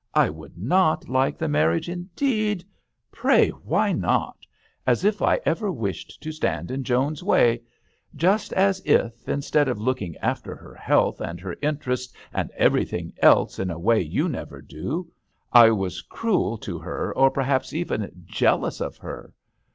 I would not like the marriage indeed ! Pray why not ? As if I ever wished to stand in Joan's way. Just as if in stead of looking after her health and her interests and everything else in a way you never do, I was cruel to her, or perhaps ever jealous of her.